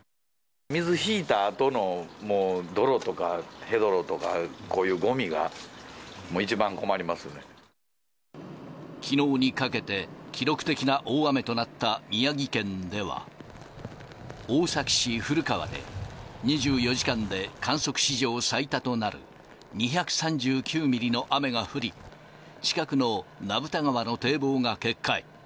水引いたあとのもう泥とかへどろとか、こういうごみが、きのうにかけて、記録的な大雨となった宮城県では、大崎市古川で２４時間で観測史上最多となる２３９ミリの雨が降り、近くの名蓋川の堤防が決壊。